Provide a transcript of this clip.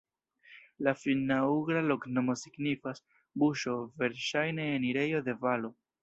La finna-ugra loknomo signifas: buŝo, verŝajne enirejo de valo.